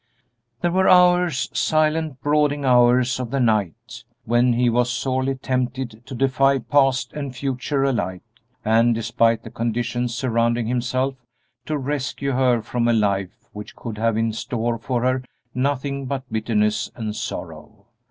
There were hours silent, brooding hours of the night when he was sorely tempted to defy past and future alike, and, despite the conditions surrounding himself, to rescue her from a life which could have in store for her nothing but bitterness and sorrow.